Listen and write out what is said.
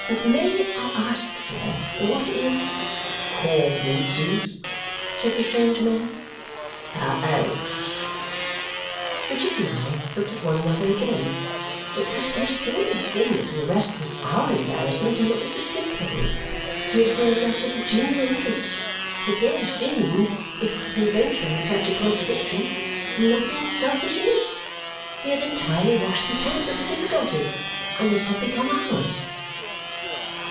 "May I ask, sir, what is " "Coavinses?" said the strange man. "A 'ouse." Richard and I looked at one another again. It was a most singular thing that the arrest was our embarrassment and not Mr. Skimpole's. He observed us with a genial interest, but there seemed, if I may venture on such a contradiction, nothing selfish in it. He had entirely washed his hands of the difficulty, and it had become ours.